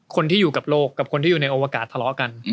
คนที่อยู่กับโลกกับคนที่อยู่ในอวกาศทะเลาะกัน